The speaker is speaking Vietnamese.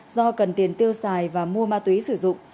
do cần tiền tiêu xài và mua ma túy sử dụng